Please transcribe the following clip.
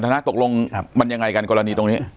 ปากกับภาคภูมิ